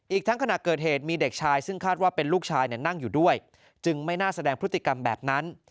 อีกทั้งขณะเกิดเหตุมีเด็กชายซึ่งคาดว่าเป็นลูกชายนั่งอยู่ด้วยจึงไม่น่าแสดงพฤติกรรมแบบนั้น